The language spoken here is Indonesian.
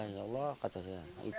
ya gini ya ruh